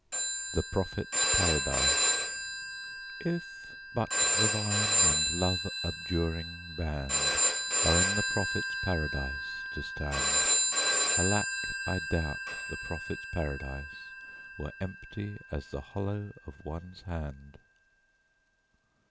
THE PROPHETS' PARADISE "If but the Vine and Love Abjuring Band Are in the Prophets' Paradise to stand, Alack, I doubt the Prophets' Paradise, Were empty as the hollow of one's hand."